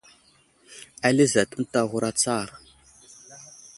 Ali azat ənta aghur atsar.